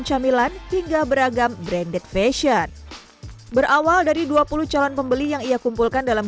camilan hingga beragam branded fashion berawal dari dua puluh calon pembeli yang ia kumpulkan dalam